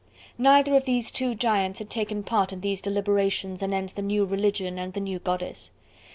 Neither of these two giants had taken part in these deliberations anent the new religion and the new goddess.